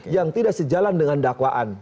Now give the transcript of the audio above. yang tidak sejalan dengan dakwaan